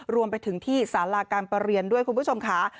รวมไปถึงที่สาราการประเรียนด้วยคุณผู้ชมค่ะ